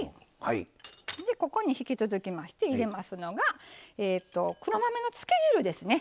ここに引き続きまして入れますのが黒豆のつけ汁ですね。